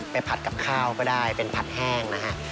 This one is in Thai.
ผัดกับข้าวก็ได้เป็นผัดแห้งนะฮะ